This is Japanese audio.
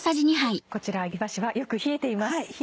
こちらいわしはよく冷えています。